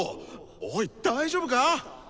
おい大丈夫か！？